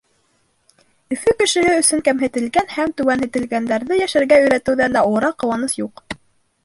Өфө кешеһе өсөн кәмһетелгән һәм түбәнһетелгәндәрҙе йәшәргә өйрәтеүҙән дә олораҡ ҡыуаныс юҡ.